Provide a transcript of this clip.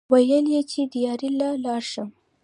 وې ئې چې " دیاړۍ له لاړ شم ـ